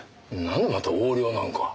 なんでまた横領なんか。